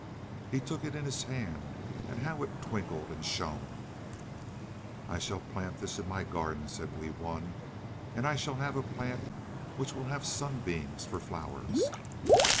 He took it in his hand, and how it twinkled and shone! "I shall plant this in my garden," said Wee Wun, "and I shall have a plant which will have sunbeams for flowers."